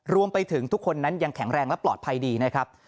รวมไปถึงทุกคนนั้นยังแข็งแรงและปลอดภัยดีนะครับ